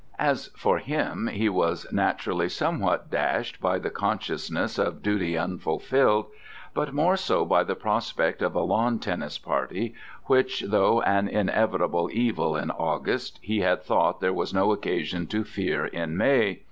As for him, he was naturally somewhat dashed by the consciousness of duty unfulfilled, but more so by the prospect of a lawn tennis party, which, though an inevitable evil in August, he had thought there was no occasion to fear in May.